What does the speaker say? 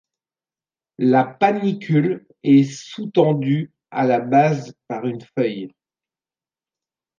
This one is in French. La panicule est sous-tendue à la base par une feuille.